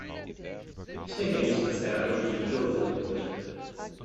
Ich denke nicht, dass er irgendwie irreführen wollte.